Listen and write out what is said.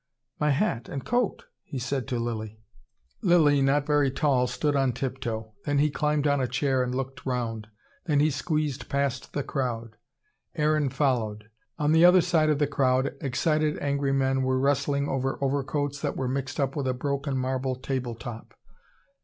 "My hat and coat?" he said to Lilly. Lilly, not very tall, stood on tiptoe. Then he climbed on a chair and looked round. Then he squeezed past the crowd. Aaron followed. On the other side of the crowd excited angry men were wrestling over overcoats that were mixed up with a broken marble table top.